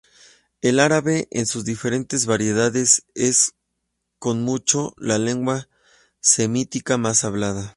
El árabe en sus diferentes variedades es, con mucho, la lengua semítica más hablada.